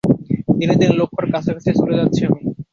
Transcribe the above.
দিনে দিনে লক্ষ্যের কাছাকাছি চলে যাচ্ছি আমি।